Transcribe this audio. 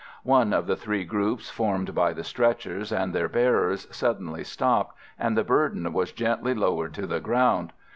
One of the three groups formed by the stretchers and their bearers suddenly stopped, and the burden was gently lowered to the ground.